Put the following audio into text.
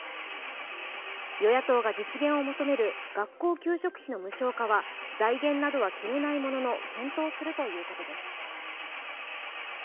与野党が実現を求める学校給食費の無償化は財源などは決めないものの検討するということです。